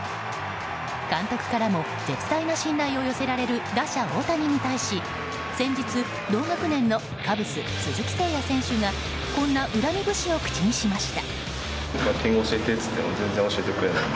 監督からも絶大な信頼を寄せられる打者・大谷に対し先日、同学年のカブス鈴木誠也選手がこんな恨み節を口にしました。